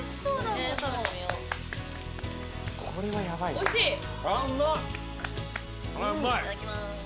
いただきます。